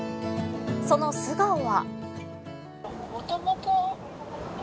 その素顔は。